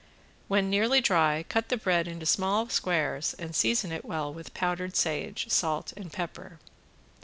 When nearly dry cut the bread into small squares and season it well with powdered sage, salt and pepper.